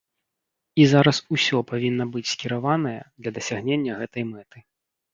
І зараз усё павінна быць скіраванае для дасягнення гэтай мэты.